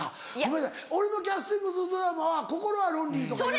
ごめんなさい俺のキャスティングするドラマは『心はロンリー』とかいう。